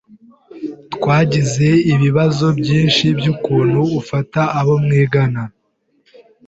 Twagize ibibazo byinshi byukuntu ufata abo mwigana.